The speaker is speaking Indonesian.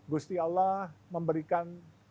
gusti allah memberikan